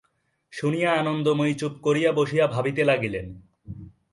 শুনিয়া আনন্দময়ী চুপ করিয়া বসিয়া ভাবিতে লাগিলেন।